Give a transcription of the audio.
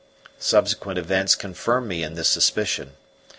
Subsequent events confirmed me in this suspicion.